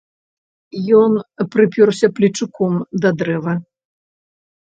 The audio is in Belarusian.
Ён прыпёрся плечуком да дрэва.